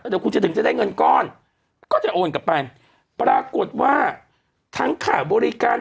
เดี๋ยวคุณจะถึงจะได้เงินก้อนก็จะโอนกลับไปปรากฏว่าทั้งค่าบริการ